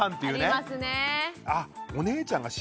ありますね。